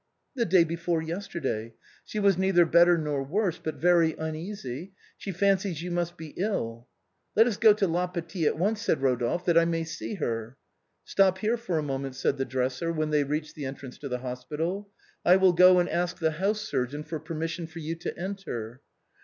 " The day before yesterday. She was neither better not worse, but very uneasy ; she fancies you must be ill." " Let us go to La Pitié at once," said Eodolphe, " that I may see her." " Stop here for a moment," said the dresser, when they reached the entrance to the hospital, " I wnll go and ask the house surgeon for permission for you to enter."